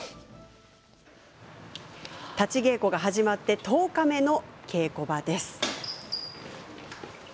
立ち稽古が始まって１０日目の稽古場です。